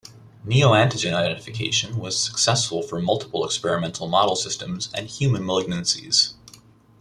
Neoantigen identification was successful for multiple experimental model systems and human malignancies.